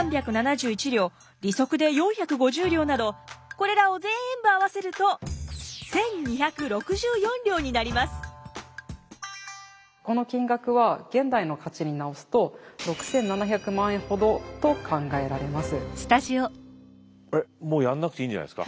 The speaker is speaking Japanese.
これらをぜんぶ合わせるとこの金額は現代の価値になおすと６，７００万円ほどと考えられます。